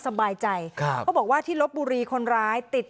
สบายใจครับเขาบอกว่าที่ลบบุรีคนร้ายติด